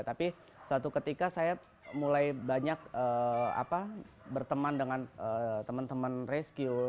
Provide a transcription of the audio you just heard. tapi suatu ketika saya mulai banyak berteman dengan teman teman rescue